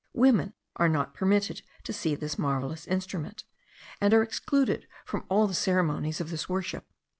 Women are not permitted to see this marvellous instrument; and are excluded from all the ceremonies of this worship.